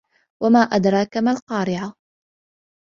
وَمَا أَدْرَاكَ مَا الْقَارِعَةُ